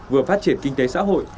vừa phát triển kinh tế xã hội